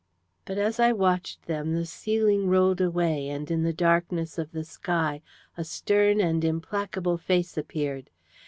But as I watched them the ceiling rolled away, and in the darkness of the sky a stern and implacable face appeared.